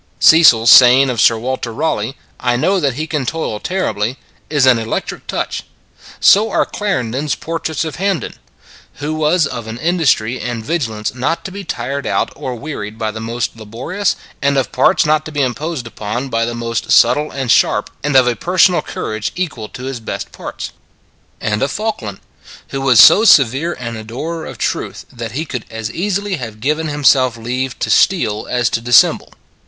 Cecil s saying of Sir Walter Raleigh, I know that he can toil terribly, is an electric touch. So are Clarendon s portraits of Hampden ; who was of an industry and vigil ance not to be tired out or wearied by the most laborious, and of parts not to be imposed upon by the most subtle and sharp, and of a personal cour age equal to his best parts ; and of Falkland: who was so severe an adorer of truth that he could as easily have given himself leave to steal as to dissemble.